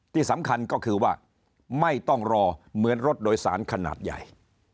ที่สำคัญก็คือว่าไม่ต้องรอเหมือนรถโดยสารขนาดใหญ่